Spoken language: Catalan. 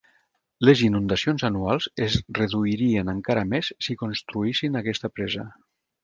Les inundacions anuals es reduirien encara més si construïssin aquesta presa.